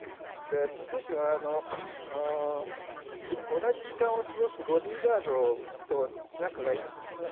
プーチンは、同じ時間を過ごすボディーガードと仲がいいんですね。